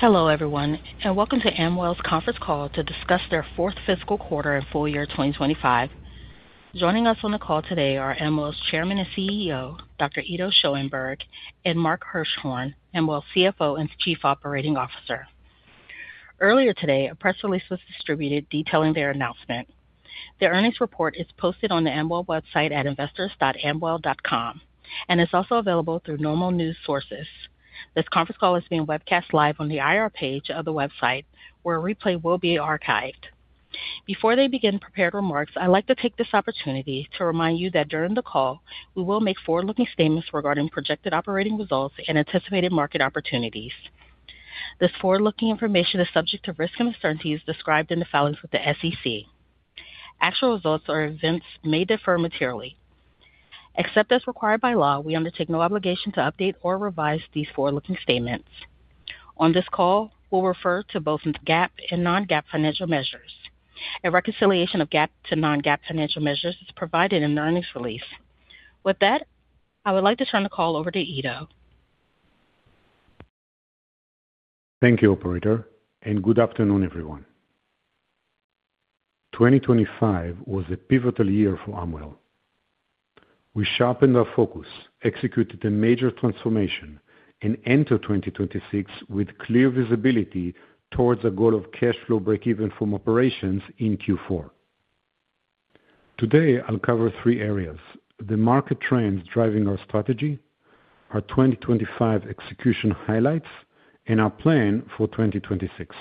Hello everyone, and welcome to Amwell's conference call to discuss their fourth fiscal quarter and full year 2025. Joining us on the call today are Amwell's Chairman and CEO, Dr. Ido Schoenberg, and Mark Hirschhorn, Amwell's CFO and Chief Operating Officer. Earlier today, a press release was distributed detailing their announcement. Their earnings report is posted on the Amwell website at investors.amwell.com, and it's also available through normal news sources. This conference call is being webcast live on the IR page of the website, where a replay will be archived. Before they begin prepared remarks, I'd like to take this opportunity to remind you that during the call, we will make forward-looking statements regarding projected operating results and anticipated market opportunities. This forward-looking information is subject to risks and uncertainties described in the filings with the SEC. Actual results or events may differ materially. Except as required by law, we undertake no obligation to update or revise these forward-looking statements. On this call, we'll refer to both GAAP and non-GAAP financial measures. A reconciliation of GAAP to non-GAAP financial measures is provided in the earnings release. With that, I would like to turn the call over to Ido. Thank you, operator, and good afternoon, everyone. 2025 was a pivotal year for Amwell. We sharpened our focus, executed a major transformation, and entered 2026 with clear visibility towards a goal of cash flow breakeven from operations in Q4. Today, I'll cover three areas: the market trends driving our strategy, our 2025 execution highlights, and our plan for 2026.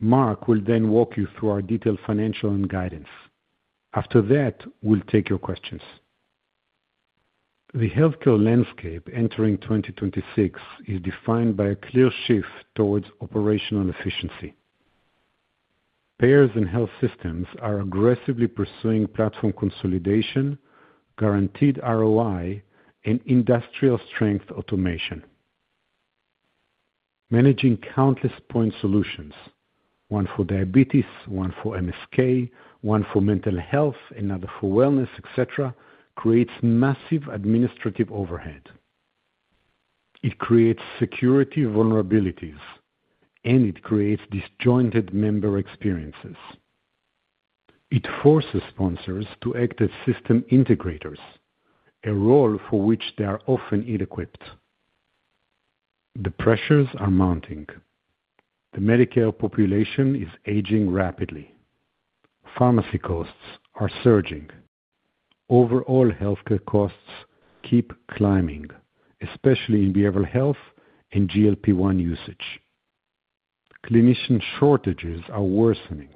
Mark will then walk you through our detailed financial and guidance. After that, we'll take your questions. The healthcare landscape entering 2026 is defined by a clear shift towards operational efficiency. Payers and health systems are aggressively pursuing platform consolidation, guaranteed ROI, and industrial-strength automation. Managing countless point solutions, one for diabetes, one for MSK, one for mental health, another for wellness, et cetera, creates massive administrative overhead. It creates security vulnerabilities, and it creates disjointed member experiences. It forces sponsors to act as system integrators, a role for which they are often ill-equipped. The pressures are mounting. The Medicare population is aging rapidly. Pharmacy costs are surging. Overall, healthcare costs keep climbing, especially in behavioral health and GLP-1 usage. Clinician shortages are worsening.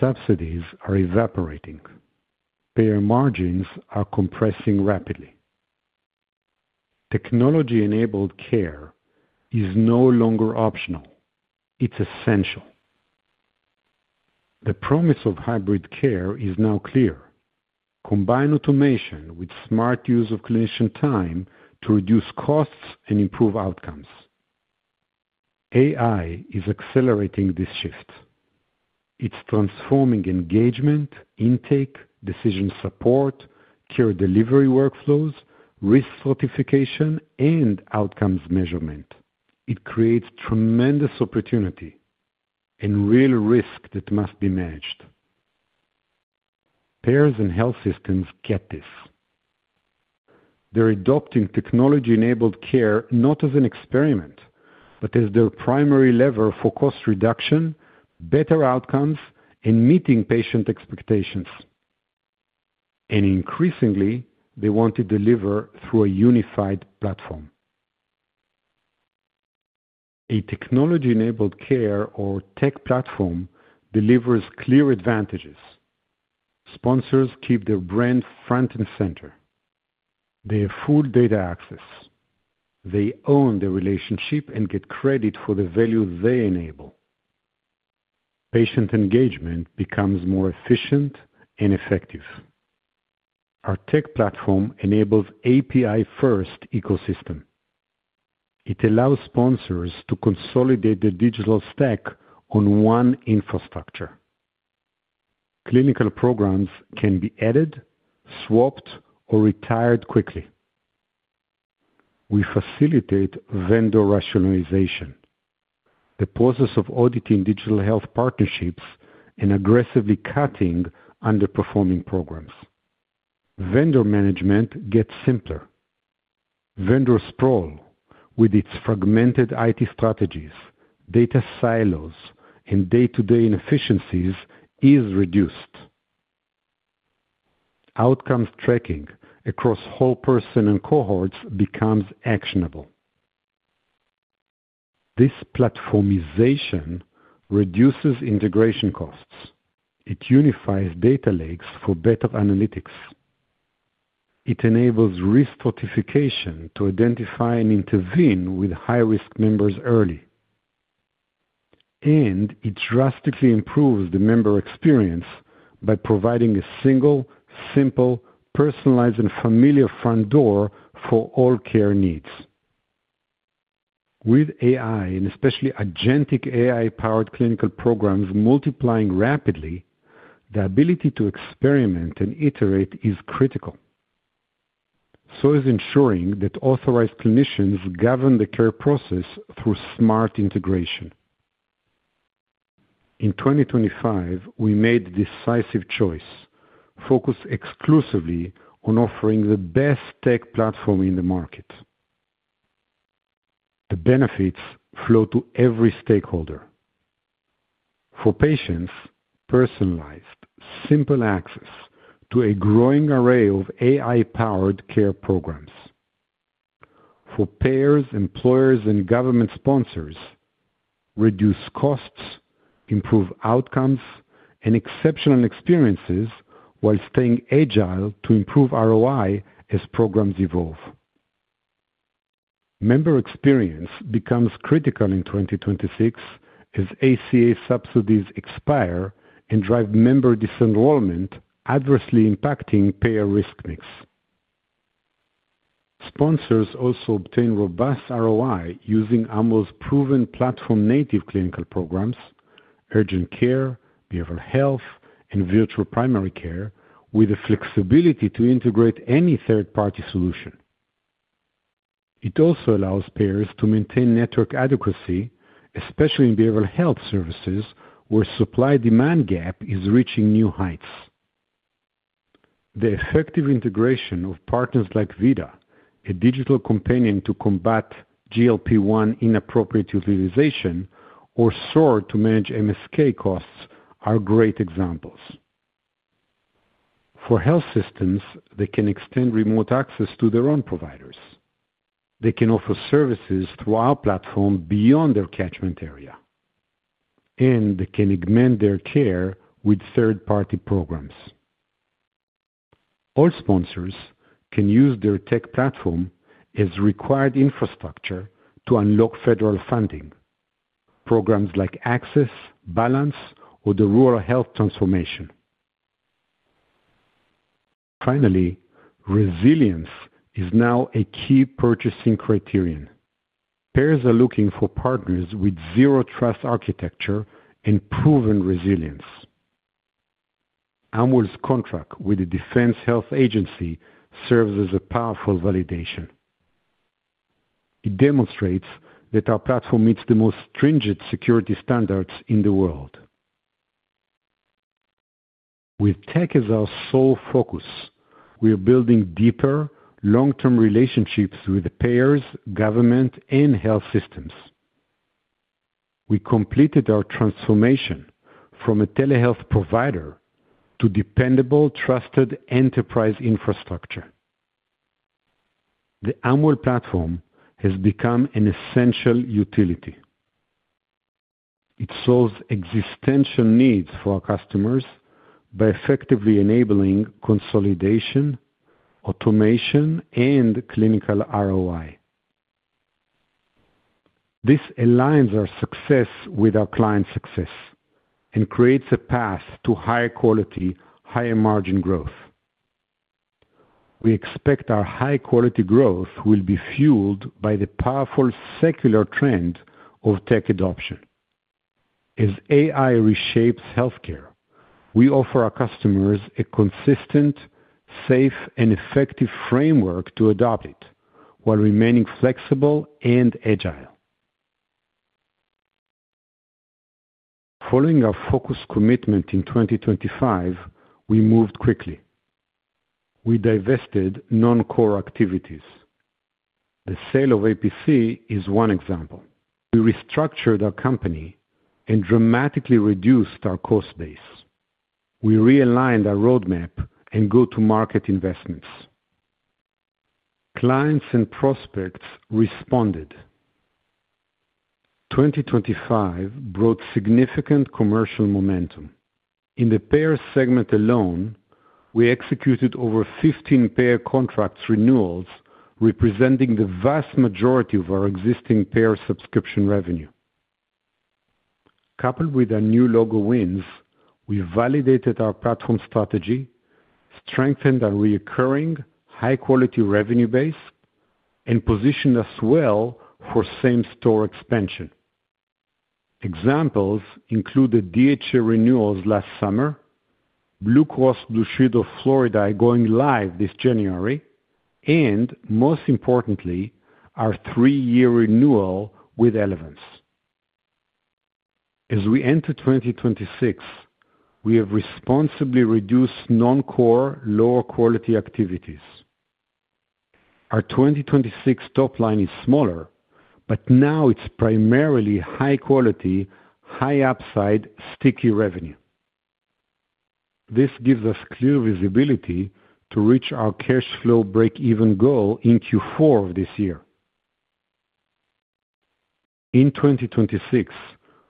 Subsidies are evaporating. Payer margins are compressing rapidly. Technology-enabled care is no longer optional. It's essential. The promise of hybrid care is now clear. Combine automation with smart use of clinician time to reduce costs and improve outcomes. AI is accelerating this shift. It's transforming engagement, intake, decision support, care delivery workflows, risk stratification, and outcomes measurement. It creates tremendous opportunity and real risk that must be managed. Payers and health systems get this. They're adopting technology-enabled care not as an experiment, but as their primary lever for cost reduction, better outcomes, and meeting patient expectations. Increasingly, they want to deliver through a unified platform. A technology-enabled care or tech platform delivers clear advantages. Sponsors keep their brands front and center. They have full data access. They own the relationship and get credit for the value they enable. Patient engagement becomes more efficient and effective. Our tech platform enables API-first ecosystem. It allows sponsors to consolidate their digital stack on one infrastructure. Clinical programs can be added, swapped, or retired quickly. We facilitate vendor rationalization, the process of auditing digital health partnerships, and aggressively cutting underperforming programs. Vendor management gets simpler. Vendor sprawl, with its fragmented IT strategies, data silos, and day-to-day inefficiencies, is reduced. Outcomes tracking across whole person and cohorts becomes actionable. This platformization reduces integration costs. It unifies data lakes for better analytics. It enables risk stratification to identify and intervene with high-risk members early. It drastically improves the member experience by providing a single, simple, personalized, and familiar front door for all care needs. With AI, and especially Agentic AI-powered clinical programs multiplying rapidly, the ability to experiment and iterate is critical. So is ensuring that authorized clinicians govern the care process through smart integration. In 2025, we made a decisive choice: focus exclusively on offering the best tech platform in the market. The benefits flow to every stakeholder. For patients, personalized, simple access to a growing array of AI-powered care programs. For payers, employers, and government sponsors, reduce costs, improve outcomes, and exceptional experiences while staying agile to improve ROI as programs evolve. Member experience becomes critical in 2026 as ACA subsidies expire and drive member disenrollment, adversely impacting payer risk mix. Sponsors also obtain robust ROI using Amwell's proven platform-native clinical programs, urgent care, behavioral health, and virtual primary care, with the flexibility to integrate any third-party solution. It also allows payers to maintain network adequacy, especially in behavioral health services, where supply-demand gap is reaching new heights. The effective integration of partners like Vida, a digital companion to combat GLP-1 inappropriate utilization, or SOAR to manage MSK costs, are great examples. For health systems, they can extend remote access to their own providers. They can offer services through our platform beyond their catchment area, and they can augment their care with third-party programs. All sponsors can use their tech platform as required infrastructure to unlock federal funding, programs like Access, Balance, or the Rural Health Transformation. Finally, resilience is now a key purchasing criterion. Payers are looking for partners with Zero-Trust Architecture and proven resilience. Amwell's contract with the Defense Health Agency serves as a powerful validation. It demonstrates that our platform meets the most stringent security standards in the world. With tech as our sole focus, we are building deeper, long-term relationships with the payers, government, and health systems. We completed our transformation from a telehealth provider to dependable, trusted enterprise infrastructure. The Amwell platform has become an essential utility. It solves existential needs for our customers by effectively enabling consolidation, automation, and clinical ROI. This aligns our success with our clients' success and creates a path to higher quality, higher margin growth. We expect our high-quality growth will be fueled by the powerful secular trend of tech adoption. As AI reshapes healthcare, we offer our customers a consistent, safe, and effective framework to adopt it while remaining flexible and agile. Following our focus commitment in 2025, we moved quickly. We divested non-core activities. The sale of APC is one example. We restructured our company and dramatically reduced our cost base. We realigned our roadmap and go-to-market investments. Clients and prospects responded. 2025 brought significant commercial momentum. In the payer segment alone, we executed over 15 payer contracts renewals, representing the vast majority of our existing payer subscription revenue. Coupled with our new logo wins, we validated our platform strategy, strengthened our recurring high-quality revenue base, and positioned us well for same-store expansion. Examples include the DHA renewals last summer, Blue Cross Blue Shield of Florida going live this January, and most importantly, our 3-year renewal with Elevance. As we enter 2026, we have responsibly reduced non-core, lower-quality activities. Our 2026 top line is smaller, but now it's primarily high quality, high upside, sticky revenue. This gives us clear visibility to reach our cash flow break-even goal in Q4 of this year. In 2026,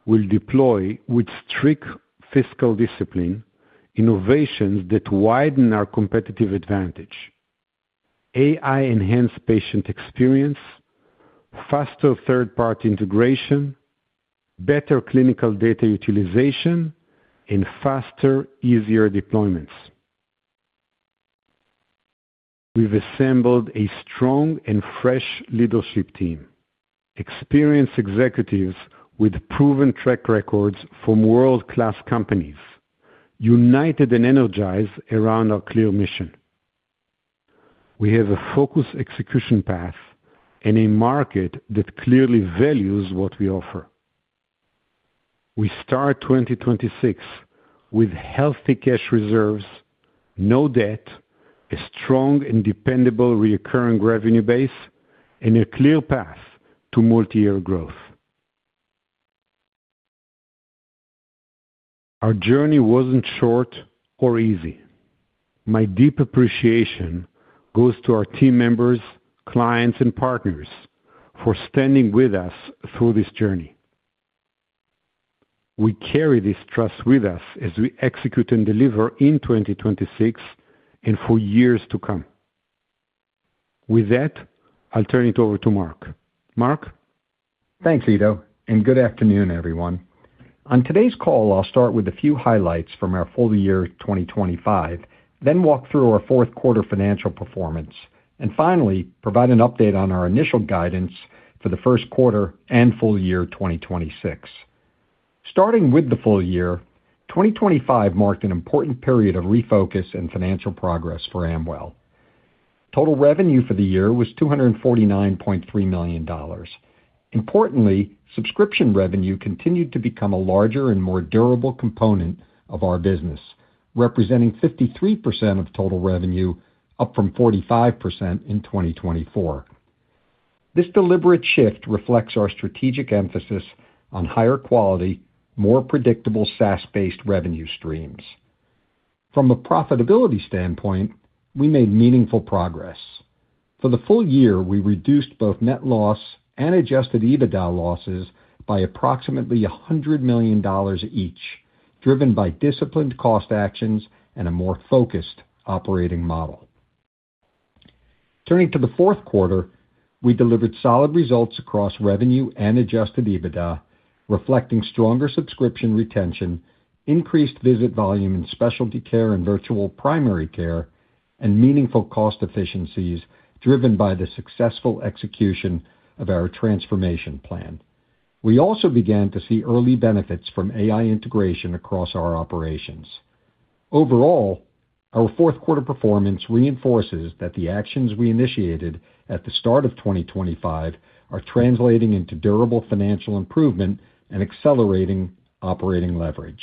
we'll deploy with strict fiscal discipline, innovations that widen our competitive advantage: AI-enhanced patient experience, faster third-party integration, better clinical data utilization, and faster, easier deployments. We've assembled a strong and fresh leadership team... experienced executives with proven track records from world-class companies, united and energized around our clear mission. We have a focused execution path and a market that clearly values what we offer. We start 2026 with healthy cash reserves, no debt, a strong and dependable recurring revenue base, and a clear path to multi-year growth. Our journey wasn't short or easy. My deep appreciation goes to our team members, clients, and partners for standing with us through this journey. We carry this trust with us as we execute and deliver in 2026 and for years to come. With that, I'll turn it over to Mark. Mark? Thanks, Ido, and good afternoon, everyone. On today's call, I'll start with a few highlights from our full year 2025, then walk through our fourth quarter financial performance, and finally, provide an update on our initial guidance for the first quarter and full year 2026. Starting with the full year, 2025 marked an important period of refocus and financial progress for Amwell. Total revenue for the year was $249.3 million. Importantly, subscription revenue continued to become a larger and more durable component of our business, representing 53% of total revenue, up from 45% in 2024. This deliberate shift reflects our strategic emphasis on higher quality, more predictable, SaaS-based revenue streams. From a profitability standpoint, we made meaningful progress. For the full year, we reduced both net loss and adjusted EBITDA losses by approximately $100 million each, driven by disciplined cost actions and a more focused operating model. Turning to the fourth quarter, we delivered solid results across revenue and adjusted EBITDA, reflecting stronger subscription retention, increased visit volume in specialty care and virtual primary care, and meaningful cost efficiencies driven by the successful execution of our transformation plan. We also began to see early benefits from AI integration across our operations. Overall, our fourth quarter performance reinforces that the actions we initiated at the start of 2025 are translating into durable financial improvement and accelerating operating leverage.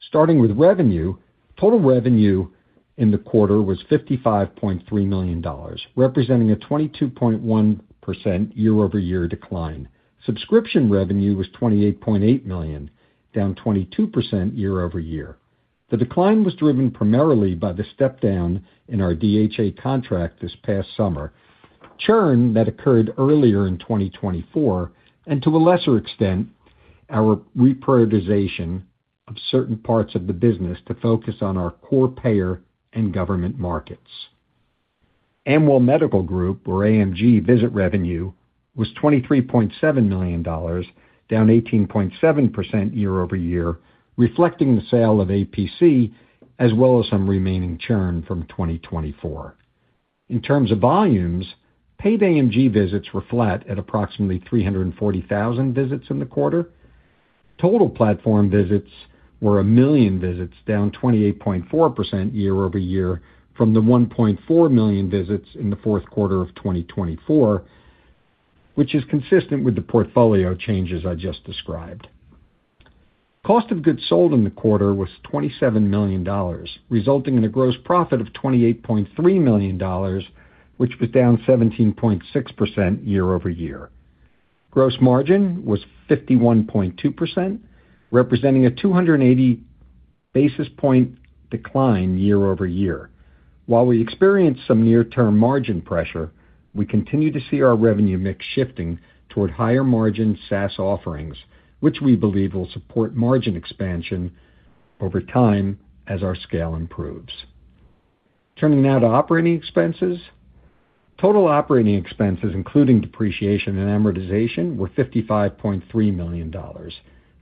Starting with revenue, total revenue in the quarter was $55.3 million, representing a 22.1% year-over-year decline. Subscription revenue was $28.8 million, down 22% year-over-year. The decline was driven primarily by the step down in our DHA contract this past summer, churn that occurred earlier in 2024, and to a lesser extent, our reprioritization of certain parts of the business to focus on our core payer and government markets. Amwell Medical Group, or AMG, visit revenue was $23.7 million, down 18.7% year-over-year, reflecting the sale of APC as well as some remaining churn from 2024. In terms of volumes, paid AMG visits were flat at approximately 340,000 visits in the quarter. Total platform visits were 1 million visits, down 28.4% year-over-year from the 1.4 million visits in the fourth quarter of 2024, which is consistent with the portfolio changes I just described. Cost of goods sold in the quarter was $27 million, resulting in a gross profit of $28.3 million, which was down 17.6% year-over-year. Gross margin was 51.2%, representing a 280 basis point decline year-over-year. While we experienced some near-term margin pressure, we continue to see our revenue mix shifting toward higher-margin SaaS offerings, which we believe will support margin expansion over time as our scale improves. Turning now to operating expenses. Total operating expenses, including depreciation and amortization, were $55.3 million.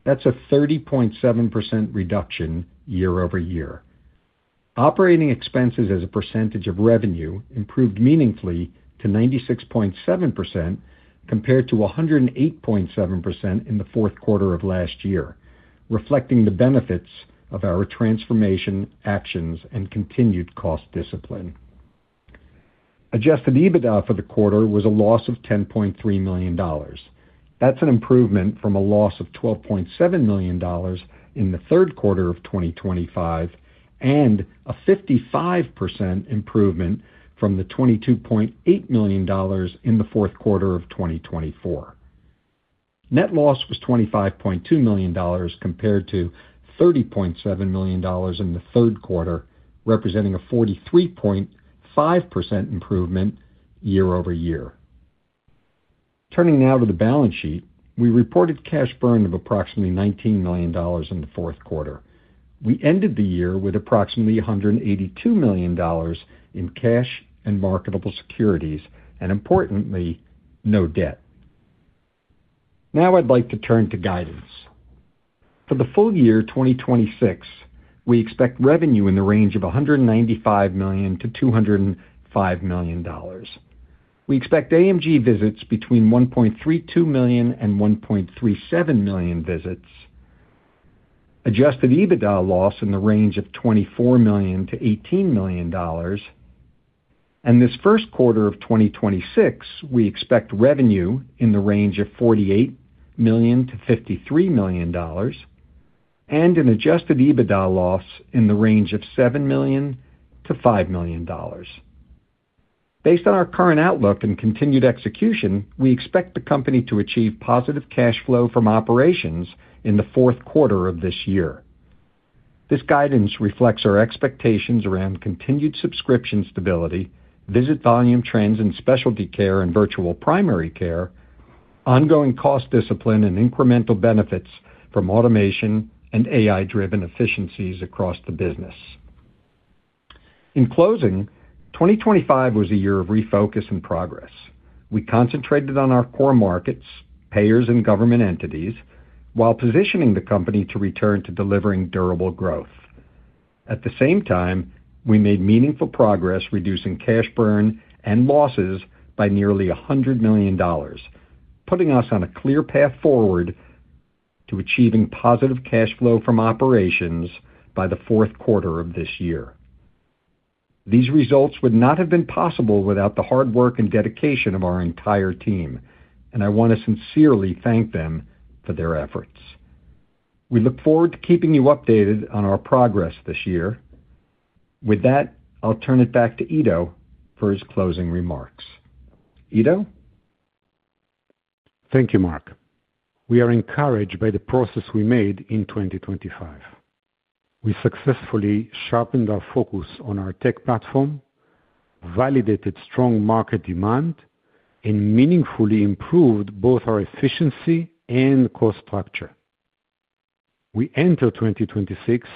That's a 30.7% reduction year-over-year. Operating expenses as a percentage of revenue improved meaningfully to 96.7%, compared to 108.7% in the fourth quarter of last year, reflecting the benefits of our transformation actions and continued cost discipline. Adjusted EBITDA for the quarter was a loss of $10.3 million. That's an improvement from a loss of $12.7 million in the third quarter of 2025, and a 55% improvement from the $22.8 million in the fourth quarter of 2024. Net loss was $25.2 million compared to $30.7 million in the third quarter, representing a 43.5% improvement year-over-year. Turning now to the balance sheet. We reported cash burn of approximately $19 million in the fourth quarter. We ended the year with approximately $182 million in cash and marketable securities, and importantly, no debt. Now I'd like to turn to guidance. For the full year 2026, we expect revenue in the range of $195 million-$205 million. We expect AMG visits between 1.32 million and 1.37 million visits, Adjusted EBITDA loss in the range of $24 million-$18 million. And this first quarter of 2026, we expect revenue in the range of $48 million-$53 million and an Adjusted EBITDA loss in the range of $7 million-$5 million. Based on our current outlook and continued execution, we expect the company to achieve positive cash flow from operations in the fourth quarter of this year. This guidance reflects our expectations around continued subscription stability, visit volume trends in specialty care and virtual primary care, ongoing cost discipline, and incremental benefits from automation and AI-driven efficiencies across the business. In closing, 2025 was a year of refocus and progress. We concentrated on our core markets, payers and government entities, while positioning the company to return to delivering durable growth. At the same time, we made meaningful progress, reducing cash burn and losses by nearly $100 million, putting us on a clear path forward to achieving positive cash flow from operations by the fourth quarter of this year. These results would not have been possible without the hard work and dedication of our entire team, and I want to sincerely thank them for their efforts. We look forward to keeping you updated on our progress this year. With that, I'll turn it back to Ido for his closing remarks. Ido? Thank you, Mark. We are encouraged by the progress we made in 2025. We successfully sharpened our focus on our tech platform, validated strong market demand, and meaningfully improved both our efficiency and cost structure. We enter 2026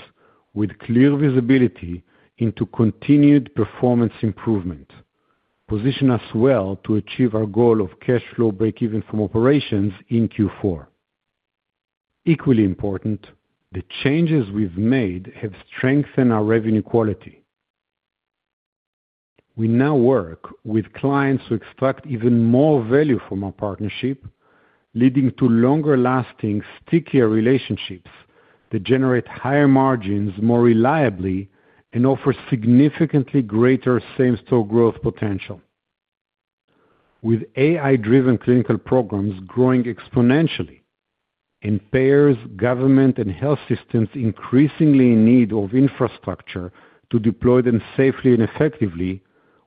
with clear visibility into continued performance improvement, position us well to achieve our goal of cash flow breakeven from operations in Q4. Equally important, the changes we've made have strengthened our revenue quality. We now work with clients to extract even more value from our partnership, leading to longer lasting, stickier relationships that generate higher margins more reliably and offer significantly greater same-store growth potential. With AI-driven clinical programs growing exponentially and payers, government, and health systems increasingly in need of infrastructure to deploy them safely and effectively,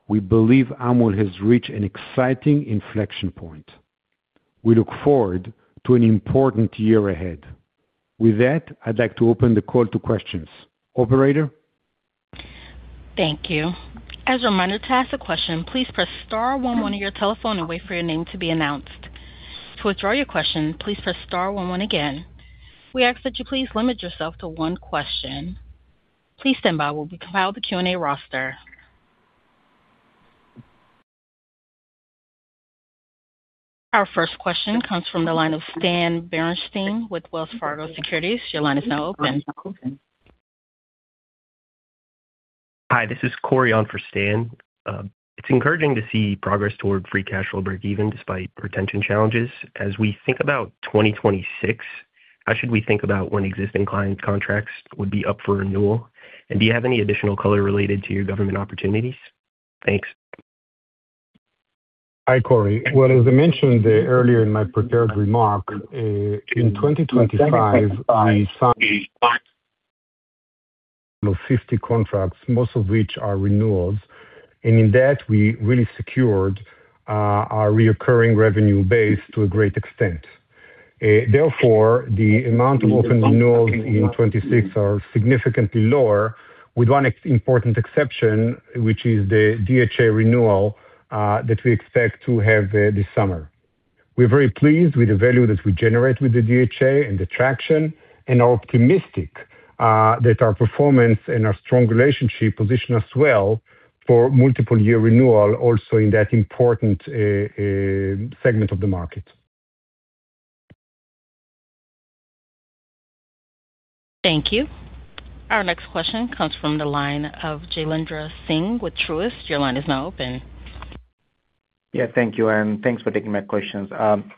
we believe Amwell has reached an exciting inflection point. We look forward to an important year ahead. With that, I'd like to open the call to questions. Operator? Thank you. As a reminder, to ask a question, please press star one on your telephone and wait for your name to be announced. To withdraw your question, please press star one one again. We ask that you please limit yourself to one question. Please stand by while we compile the Q&A roster. Our first question comes from the line of Stan Berenshteyn with Wells Fargo Securities. Your line is now open. Hi, this is Corey on for Stan. It's encouraging to see progress toward free cash flow breakeven despite retention challenges. As we think about 2026, how should we think about when existing client contracts would be up for renewal? And do you have any additional color related to your government opportunities? Thanks. Hi, Corey. Well, as I mentioned earlier in my prepared remark, in 2025, we signed 50 contracts, most of which are renewals, and in that we really secured our recurring revenue base to a great extent. Therefore, the amount of open renewals in 2026 are significantly lower, with one important exception, which is the DHA renewal that we expect to have this summer. We're very pleased with the value that we generate with the DHA and the traction, and are optimistic that our performance and our strong relationship position us well for multi-year renewal also in that important segment of the market. Thank you. Our next question comes from the line of Jailendra Singh with Truist. Your line is now open. Yeah, thank you, and thanks for taking my questions.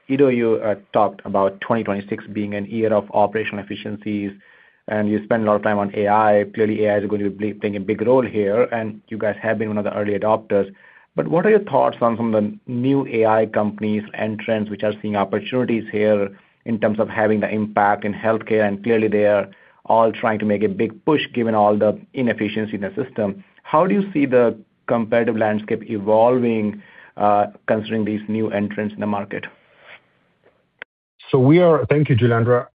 Ido, you talked about 2026 being a year of operational efficiencies, and you spend a lot of time on AI. Clearly, AI is going to be playing a big role here, and you guys have been one of the early adopters. But what are your thoughts on some of the new AI companies and trends which are seeing opportunities here in terms of having the impact in healthcare? And clearly they are all trying to make a big push given all the inefficiency in the system. How do you see the competitive landscape evolving, considering these new entrants in the market? Thank you, Jailendra.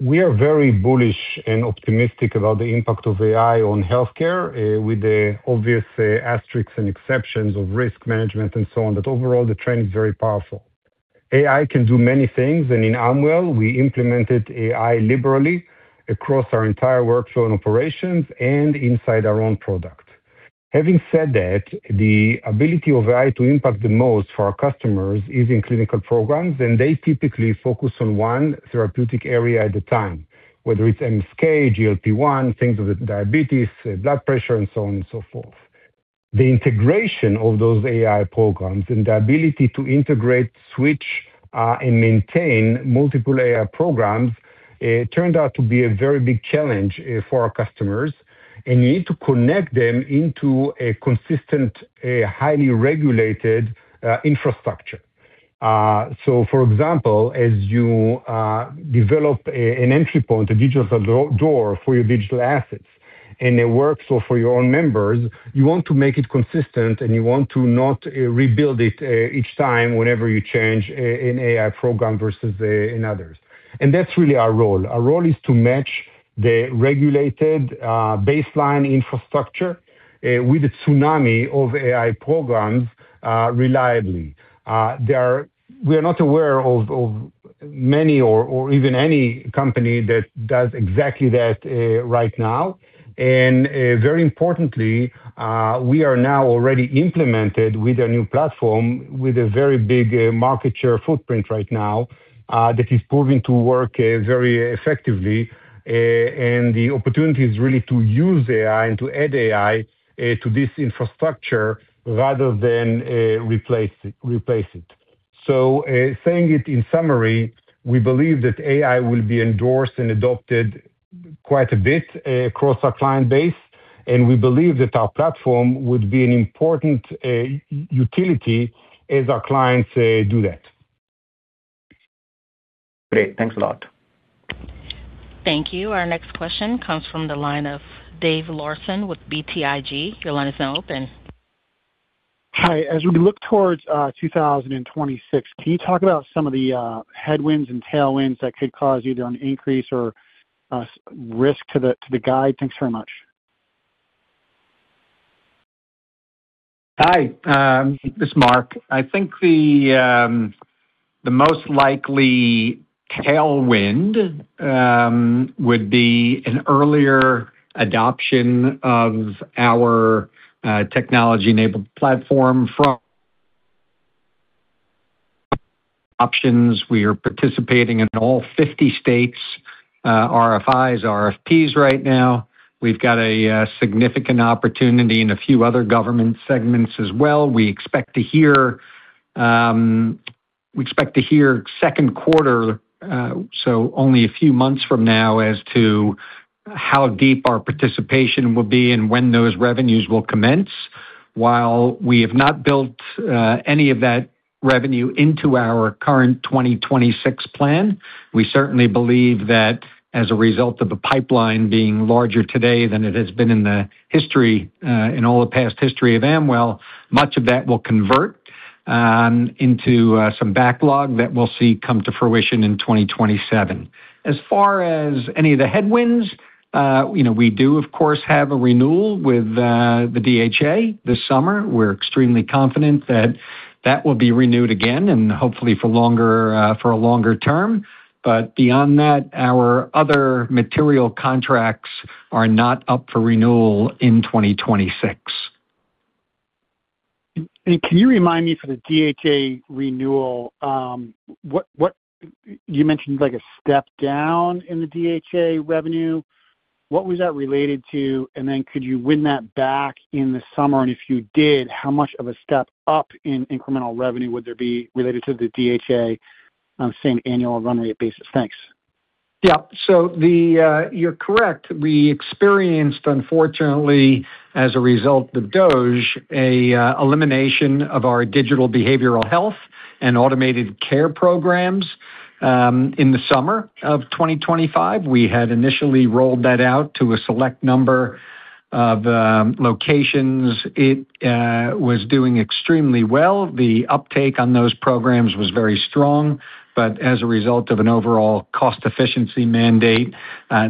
We are very bullish and optimistic about the impact of AI on healthcare, with the obvious asterisks and exceptions of risk management and so on. But overall, the trend is very powerful. AI can do many things, and in Amwell, we implemented AI liberally across our entire workflow and operations and inside our own product.... Having said that, the ability of AI to impact the most for our customers is in clinical programs, and they typically focus on one therapeutic area at a time, whether it's MSK, GLP-1, things with diabetes, blood pressure, and so on and so forth. The integration of those AI programs and the ability to integrate, switch, and maintain multiple AI programs, it turned out to be a very big challenge for our customers, and you need to connect them into a consistent, highly regulated, infrastructure. So for example, as you develop an entry point, a digital door for your digital assets, and it works so for your own members, you want to make it consistent, and you want to not rebuild it each time whenever you change an AI program versus in others. And that's really our role. Our role is to match the regulated baseline infrastructure with a tsunami of AI programs reliably. We are not aware of many or even any company that does exactly that right now. And very importantly, we are now already implemented with a new platform, with a very big market share footprint right now, that is proving to work very effectively. And the opportunity is really to use AI and to add AI to this infrastructure rather than replace it. So, saying it in summary, we believe that AI will be endorsed and adopted quite a bit across our client base, and we believe that our platform would be an important utility as our clients do that. Great, thanks a lot. Thank you. Our next question comes from the line of Dave Larsen with BTIG. Your line is now open. Hi. As we look towards 2026, can you talk about some of the headwinds and tailwinds that could cause either an increase or a risk to the guide? Thanks very much. Hi, this is Mark. I think the most likely tailwind would be an earlier adoption of our technology-enabled platform from Options. We are participating in all 50 states RFIs, RFPs right now. We've got a significant opportunity in a few other government segments as well. We expect to hear second quarter, so only a few months from now, as to how deep our participation will be and when those revenues will commence. While we have not built any of that revenue into our current 2026 plan, we certainly believe that as a result of the pipeline being larger today than it has been in the history in all the past history of Amwell, much of that will convert into some backlog that we'll see come to fruition in 2027. As far as any of the headwinds, you know, we do, of course, have a renewal with the DHA this summer. We're extremely confident that that will be renewed again and hopefully for longer, for a longer term. But beyond that, our other material contracts are not up for renewal in 2026. Can you remind me, for the DHA renewal, what you mentioned, like, a step down in the DHA revenue. What was that related to? And then could you win that back in the summer? And if you did, how much of a step up in incremental revenue would there be related to the DHA on the same annual run rate basis? Thanks. Yeah. So, you're correct. We experienced, unfortunately, as a result of DOGE, a elimination of our digital behavioral health and automated care programs in the summer of 2025. We had initially rolled that out to a select number of locations. It was doing extremely well. The uptake on those programs was very strong, but as a result of an overall cost efficiency mandate,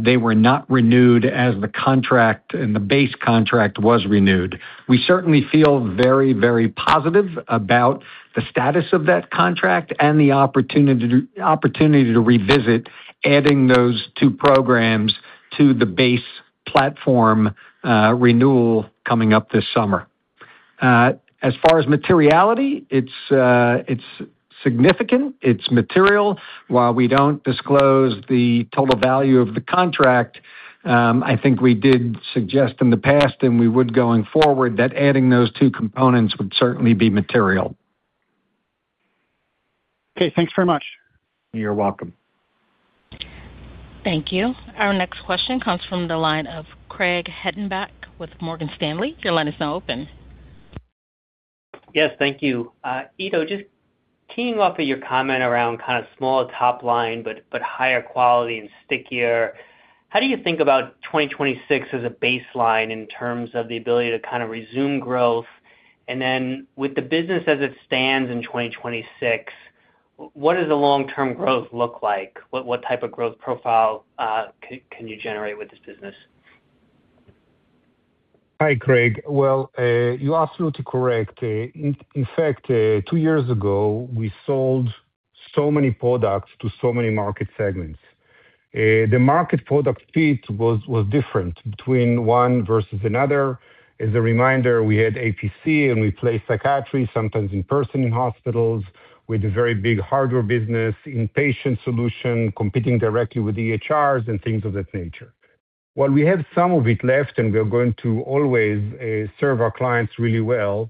they were not renewed as the contract, and the base contract was renewed. We certainly feel very, very positive about the status of that contract and the opportunity to opportunity to revisit adding those two programs to the base platform renewal coming up this summer. As far as materiality, it's, it's significant, it's material. While we don't disclose the total value of the contract, I think we did suggest in the past, and we would going forward, that adding those two components would certainly be material. Okay, thanks very much. You're welcome. Thank you. Our next question comes from the line of Craig Hettenbach with Morgan Stanley. Your line is now open. Yes, thank you. Ido, just teeing off of your comment around kind of small top line, but higher quality and stickier, how do you think about 2026 as a baseline in terms of the ability to kind of resume growth? And then with the business as it stands in 2026, what does the long-term growth look like? What type of growth profile can you generate with this business? Hi, Craig. Well, you're absolutely correct. In fact, two years ago, we sold so many products to so many market segments, the market product fit was different between one versus another. As a reminder, we had APC, and we play psychiatry, sometimes in person, in hospitals, with a very big hardware business, inpatient solution, competing directly with the EHRs and things of that nature. While we have some of it left, and we are going to always serve our clients really well,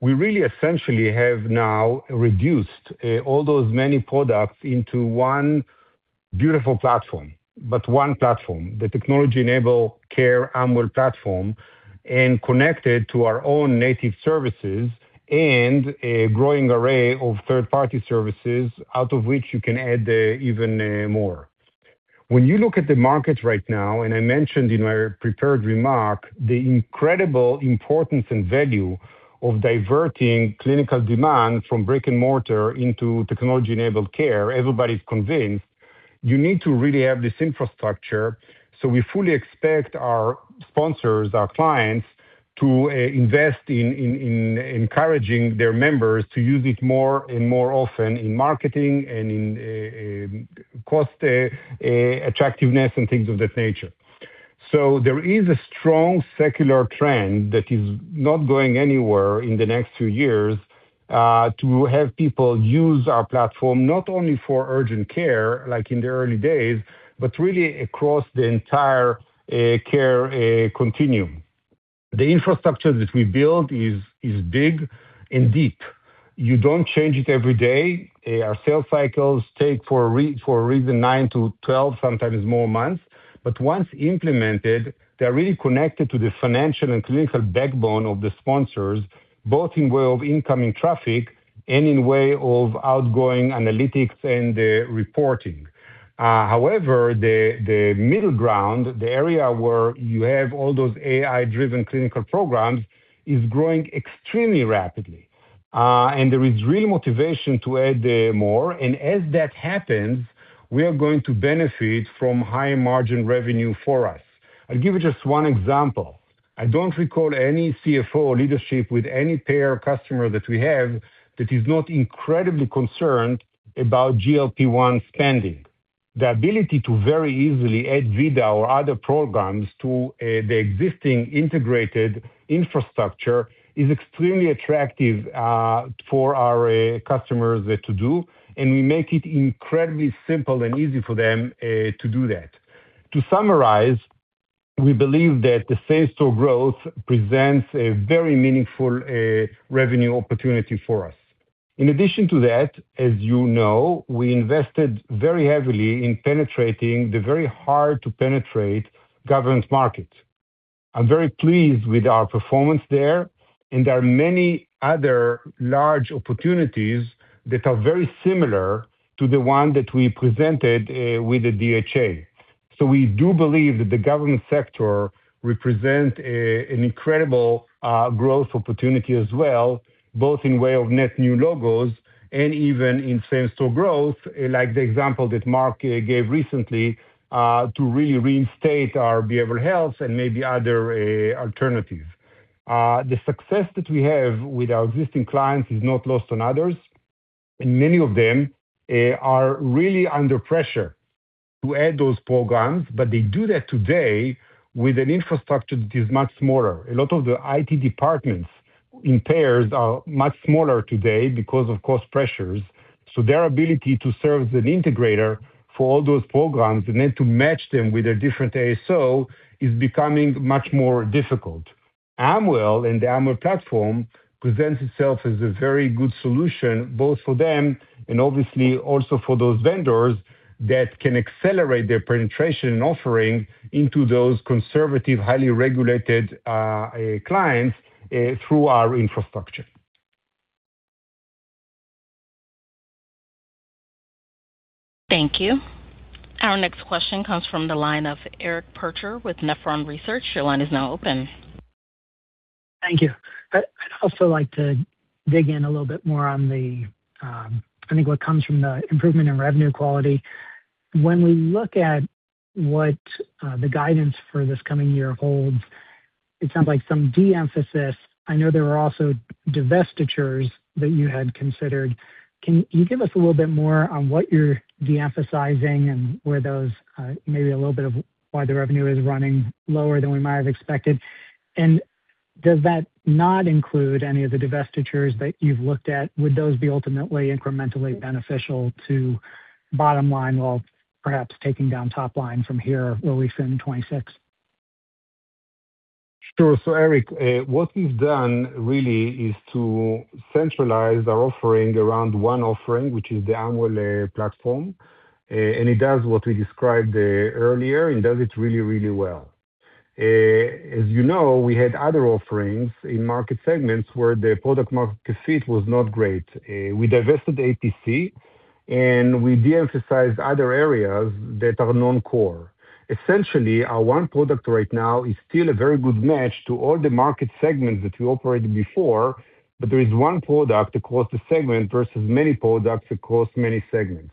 we really essentially have now reduced all those many products into one beautiful platform, but one platform. The technology-enabled care Amwell platform, and connected to our own native services and a growing array of third-party services, out of which you can add even more. When you look at the market right now, and I mentioned in my prepared remark, the incredible importance and value of diverting clinical demand from brick-and-mortar into technology-enabled care, everybody's convinced you need to really have this infrastructure. So we fully expect our sponsors, our clients, to invest in encouraging their members to use it more and more often in marketing and in cost attractiveness and things of that nature. So there is a strong secular trend that is not going anywhere in the next two years to have people use our platform, not only for urgent care, like in the early days, but really across the entire care continuum. The infrastructure that we built is big and deep. You don't change it every day. Our sales cycles take, for a reason, 9-12, sometimes more months. But once implemented, they're really connected to the financial and clinical backbone of the sponsors, both in way of incoming traffic and in way of outgoing analytics and reporting. However, the middle ground, the area where you have all those AI-driven clinical programs, is growing extremely rapidly. And there is real motivation to add more. And as that happens, we are going to benefit from high-margin revenue for us. I'll give you just one example. I don't recall any CFO or leadership with any payer customer that we have that is not incredibly concerned about GLP-1 spending. The ability to very easily add Vida or other programs to the existing integrated infrastructure is extremely attractive for our customers to do, and we make it incredibly simple and easy for them to do that. To summarize, we believe that the same-store growth presents a very meaningful revenue opportunity for us. In addition to that, as you know, we invested very heavily in penetrating the very hard-to-penetrate government market. I'm very pleased with our performance there, and there are many other large opportunities that are very similar to the one that we presented with the DHA. So we do believe that the government sector represents an incredible growth opportunity as well, both in way of net new logos and even in same-store growth, like the example that Mark gave recently, to reinstate our behavioral health and maybe other alternatives. The success that we have with our existing clients is not lost on others, and many of them are really under pressure to add those programs. But they do that today with an infrastructure that is much smaller. A lot of the IT departments in payers are much smaller today because of cost pressures, so their ability to serve as an integrator for all those programs and then to match them with a different ASO is becoming much more difficult. Amwell and the Amwell platform presents itself as a very good solution, both for them and obviously also for those vendors that can accelerate their penetration and offering into those conservative, highly regulated, clients, through our infrastructure. Thank you. Our next question comes from the line of Eric Percher with Nephron Research. Your line is now open. Thank you. I'd also like to dig in a little bit more on the, I think, what comes from the improvement in revenue quality. When we look at what the guidance for this coming year holds, it sounds like some de-emphasis. I know there were also divestitures that you had considered. Can you give us a little bit more on what you're de-emphasizing and where those, maybe a little bit of why the revenue is running lower than we might have expected? And does that not include any of the divestitures that you've looked at? Would those be ultimately incrementally beneficial to bottom line, while perhaps taking down top line from here where we sit in 2026? Sure. So, Eric, what we've done really is to centralize our offering around one offering, which is the Amwell platform, and it does what we described earlier, and does it really, really well. As you know, we had other offerings in market segments where the product market fit was not great. We divested APC, and we de-emphasized other areas that are non-core. Essentially, our one product right now is still a very good match to all the market segments that we operated before, but there is one product across the segment versus many products across many segments....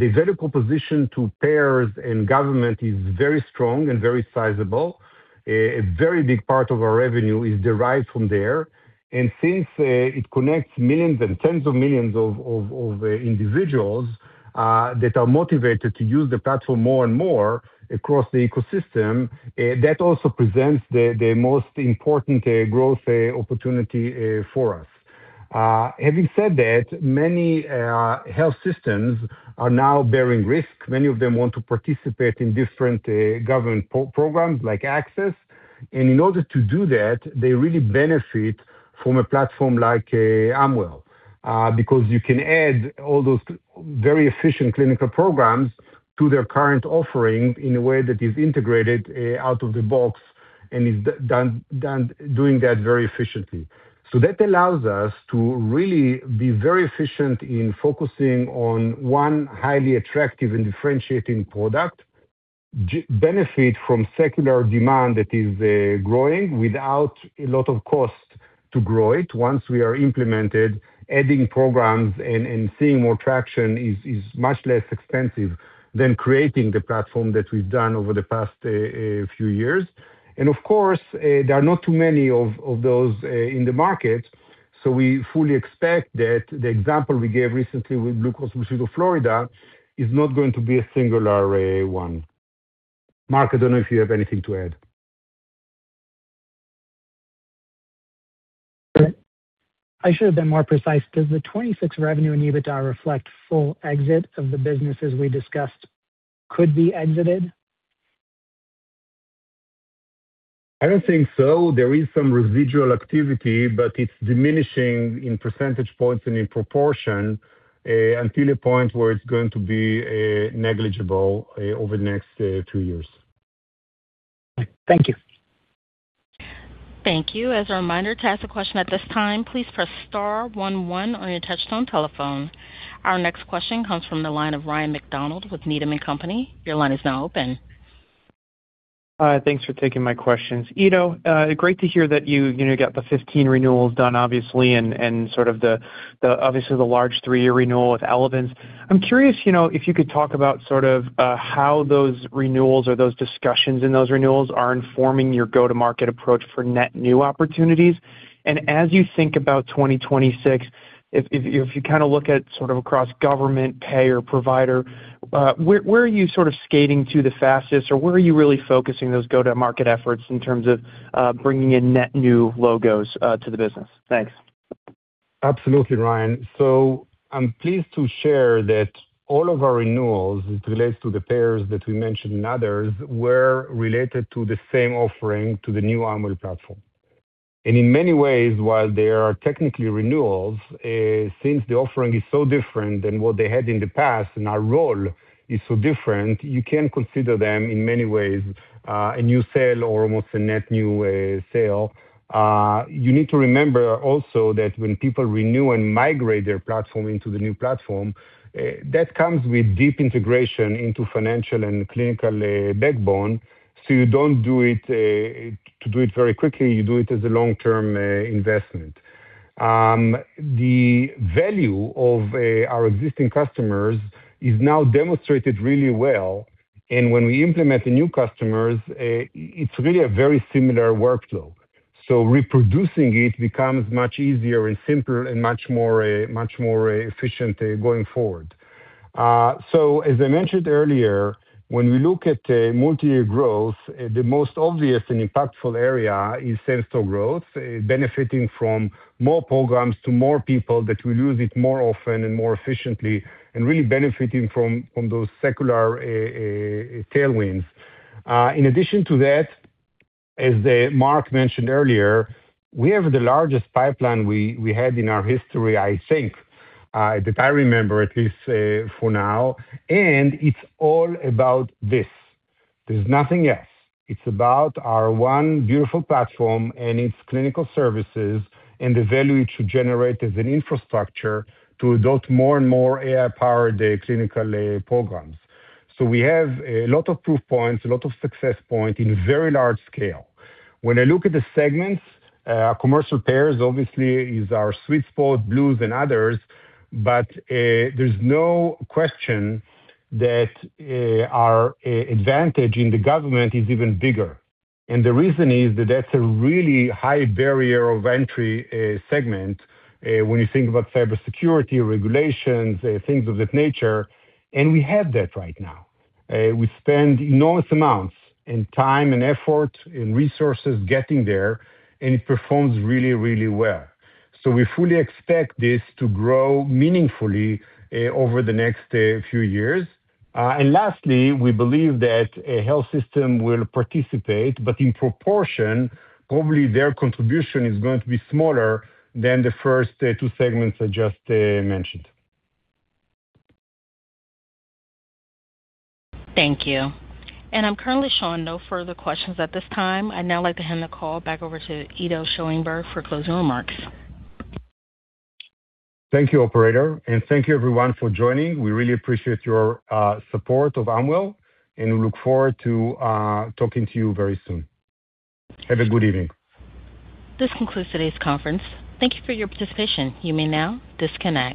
The vertical position to payers and government is very strong and very sizable. A very big part of our revenue is derived from there, and since it connects millions and tens of millions of individuals that are motivated to use the platform more and more across the ecosystem, that also presents the most important growth opportunity for us. Having said that, many health systems are now bearing risk. Many of them want to participate in different government programs like Access, and in order to do that, they really benefit from a platform like Amwell. Because you can add all those very efficient clinical programs to their current offering in a way that is integrated out of the box and is done doing that very efficiently. So that allows us to really be very efficient in focusing on one highly attractive and differentiating product, benefit from secular demand that is growing without a lot of cost to grow it. Once we are implemented, adding programs and seeing more traction is much less expensive than creating the platform that we've done over the past few years. And of course, there are not too many of those in the market, so we fully expect that the example we gave recently with Blue Cross Blue Shield of Florida is not going to be a singular one. Mark, I don't know if you have anything to add. I should have been more precise. Does the 26 revenue and EBITDA reflect full exit of the businesses we discussed could be exited? I don't think so. There is some residual activity, but it's diminishing in percentage points and in proportion, until a point where it's going to be, negligible, over the next, two years. Thank you. Thank you. As a reminder, to ask a question at this time, please press star one one on your touchtone telephone. Our next question comes from the line of Ryan MacDonald with Needham and Company. Your line is now open. Hi, thanks for taking my questions. Ido, great to hear that you, you know, got the 15 renewals done, obviously, and sort of the, obviously the large three year renewal with Elevance. I'm curious, you know, if you could talk about sort of, how those renewals or those discussions in those renewals are informing your go-to-market approach for net new opportunities. And as you think about 2026, if you kind of look at sort of across government, payer, provider, where are you sort of skating to the fastest or where are you really focusing those go-to-market efforts in terms of, bringing in net new logos, to the business? Thanks. Absolutely, Ryan. So I'm pleased to share that all of our renewals, as it relates to the payers that we mentioned and others, were related to the same offering to the new Amwell platform. And in many ways, while they are technically renewals, since the offering is so different than what they had in the past and our role is so different, you can consider them in many ways, a new sale or almost a net new, sale. You need to remember also that when people renew and migrate their platform into the new platform, that comes with deep integration into financial and clinical, backbone. So you don't do it, to do it very quickly, you do it as a long-term, investment. The value of our existing customers is now demonstrated really well, and when we implement the new customers, it's really a very similar workflow. So reproducing it becomes much easier and simpler and much more efficient going forward. So as I mentioned earlier, when we look at multi-year growth, the most obvious and impactful area is sensor growth, benefiting from more programs to more people that will use it more often and more efficiently and really benefiting from those secular tailwinds. In addition to that, as Mark mentioned earlier, we have the largest pipeline we had in our history, I think, that I remember at least, for now, and it's all about this. There's nothing else. It's about our one beautiful platform and its clinical services, and the value it should generate as an infrastructure to adopt more and more AI-powered clinical programs. So we have a lot of proof points, a lot of success point in a very large scale. When I look at the segments, commercial payers obviously is our sweet spot, blues and others, but there's no question that our advantage in the government is even bigger. And the reason is that that's a really high barrier of entry segment when you think about cybersecurity, regulations, things of that nature, and we have that right now. We spend enormous amounts and time and effort and resources getting there, and it performs really, really well. So we fully expect this to grow meaningfully over the next few years. And lastly, we believe that a health system will participate, but in proportion, probably their contribution is going to be smaller than the first two segments I just mentioned. Thank you. I'm currently showing no further questions at this time. I'd now like to hand the call back over to Ido Schoenberg for closing remarks. Thank you, operator, and thank you everyone for joining. We really appreciate your support of Amwell, and we look forward to talking to you very soon. Have a good evening. This concludes today's conference. Thank you for your participation. You may now disconnect.